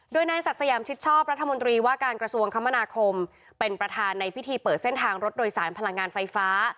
โดยนายศักดิ์สยามชิดชอบรัฐมนตรีว่าการกระทรวงคมนาคมเป็นประธานในพิธีเปิดเส้นทางรถโดยสารพลังงานไฟฟ้า